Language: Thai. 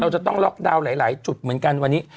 จะต้องล็อกดาวน์หลายจุดเหมือนกันวันนี้